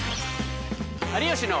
「有吉の」。